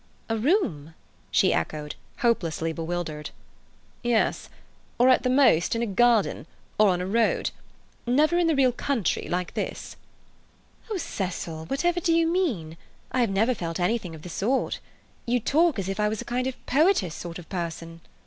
"A room?" she echoed, hopelessly bewildered. "Yes. Or, at the most, in a garden, or on a road. Never in the real country like this." "Oh, Cecil, whatever do you mean? I have never felt anything of the sort. You talk as if I was a kind of poetess sort of person."